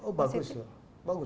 oh bagus loh